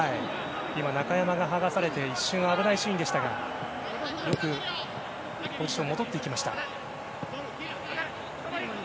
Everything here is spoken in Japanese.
今、中山がはがされて一瞬危ないシーンでしたがよくポジション戻っていきました。